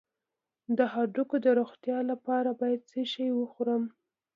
د هډوکو د روغتیا لپاره باید څه شی وخورم؟